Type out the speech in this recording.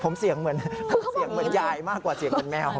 ผมเสียงเหมือนยายมากกว่าเสียงเป็นแมว